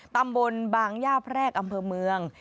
ตำบลบางย่าแพรกอำเภอเมือง